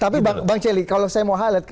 tapi bang celi kalau saya mau highlight